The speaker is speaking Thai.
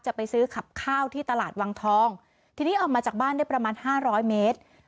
จะไปซื้อขับข้าวที่ตลาดวังทองทีนี้ออกมาจากบ้านได้ประมาณห้าร้อยเมตร